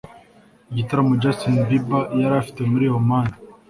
Igitaramo Justin Bieber yari afite muri Oman